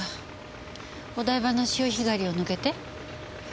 お台場の潮干狩りを抜けて？